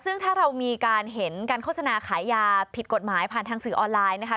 ซึ่งถ้าเรามีการเห็นการโฆษณาขายยาผิดกฎหมายผ่านทางสื่อออนไลน์นะคะ